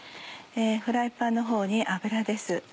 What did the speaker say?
フライパンのほうに油です。